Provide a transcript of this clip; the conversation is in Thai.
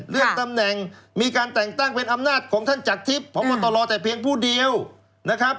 เรื่องตำแหน่งมีการแต่งตั้งเป็นอำนาจของท่านจากทิพย์พบตรแต่เพียงผู้เดียวนะครับ